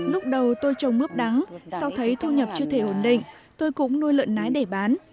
lúc đầu tôi trồng mướp đắng sau thấy thu nhập chưa thể ổn định tôi cũng nuôi lợn nái để bán